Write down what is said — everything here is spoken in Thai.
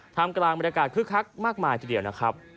ทำกลางบรรยากาศคึกคักมากมายทีเดียวนะครับ